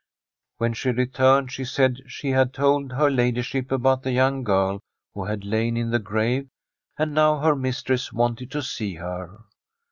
When she returned, she said she had told her ladyship about the young girl who had lain in the grave, and now her mistress wanted to see her.